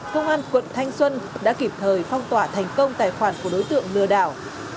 công an quận thanh xuân đã kịp thời phong tỏa thành công tài khoản của đối tượng lừa đảo